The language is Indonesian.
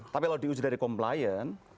tapi kalau diuji dari complian